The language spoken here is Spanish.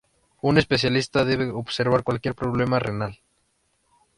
Un especialista debe observar cualquier problema renal.